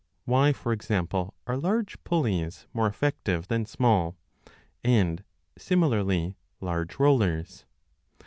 Why, for example, are large pulleys more effective than small, and similarly large rollers